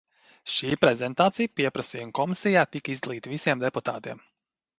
Šī prezentācija Pieprasījumu komisijā tika izdalīta visiem deputātiem.